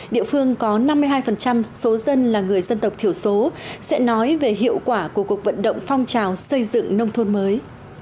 địa phương có năm mươi hai số dân là người dân tộc thiểu số sẽ nói về hiệu quả của cuộc vận động phong trào xây dựng nông thôn mới